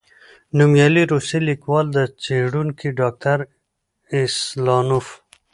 نومیالی روسی لیکوال او څېړونکی، ډاکټر اسلانوف،